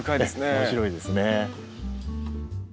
面白いですね。